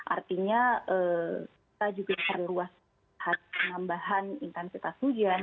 artinya kita juga perlu ruaskan penambahan intensitas hujan